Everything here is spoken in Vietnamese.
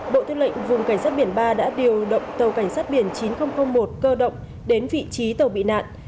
bộ tư lệnh vùng cảnh sát biển ba đã điều động tàu cảnh sát biển chín nghìn một cơ động đến vị trí tàu bị nạn